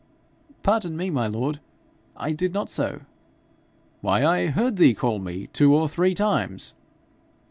'Pardon me, my lord; I did not so.' 'Why, I heard thee call me two or three times!'